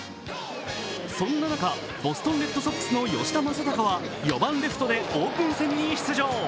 そんな中、ボストン・レッドソックスの吉田正尚は４番・レフトでオープン戦に出場。